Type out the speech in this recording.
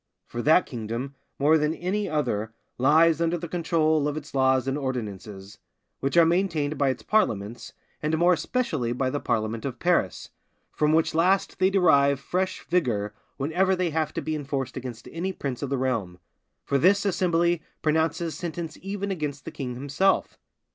For that kingdom, more than any other, lies under the control of its laws and ordinances, which are maintained by its parliaments, and more especially by the parliament of Paris, from which last they derive fresh vigour whenever they have to be enforced against any prince of the realm; for this assembly pronounces sentence even against the king himself.